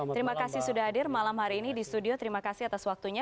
terima kasih sudah hadir malam hari ini di studio terima kasih atas waktunya